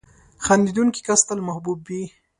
• خندېدونکی کس تل محبوب وي.